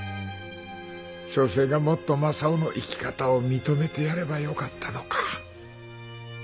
小生がもっと雅夫の生き方を認めてやればよかったのか。